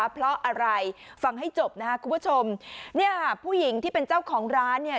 เพราะอะไรฟังให้จบนะครับคุณผู้ชมเนี่ยผู้หญิงที่เป็นเจ้าของร้านเนี่ย